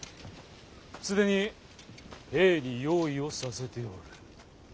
既に兵に用意をさせておる。